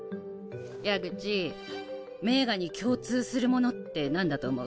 矢口名画に共通するものってなんだと思う？